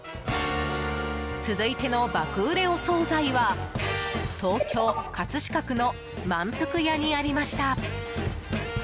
続いての爆売れお総菜は東京・葛飾区のまんぷくやにありました。